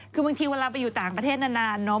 คือบางทีเวลาไปอยู่ต่างประเทศนานเนอะ